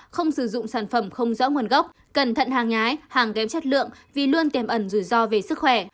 không sử dụng sản phẩm không rõ nguồn gốc cẩn thận hàng nhái hàng kém chất lượng vì luôn tiềm ẩn rủi ro về sức khỏe